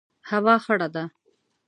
هوا خړه ده